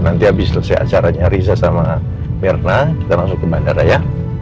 nanti habis selesai acaranya riza sama mirna kita langsung ke bandara ya